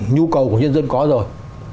nhu cầu của nhân dân có rồi